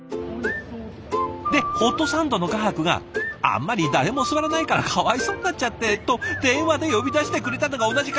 でホットサンドの画伯が「あんまり誰も座らないからかわいそうになっちゃって」と電話で呼び出してくれたのが同じ会社のこちらの画伯。